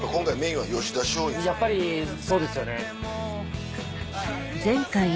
やっぱりそうですよね。